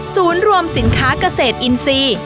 รวมสินค้าเกษตรอินทรีย์